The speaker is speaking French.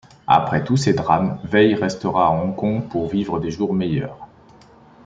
Après tous ces drames, Wei restera à Hong Kong pour vivre des jours meilleurs.